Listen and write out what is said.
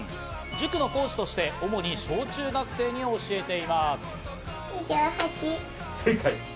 塾の講師として主に小・中学生に教えています。